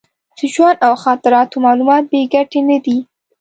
د ژوند او خاطراتو معلومات بې ګټې نه دي.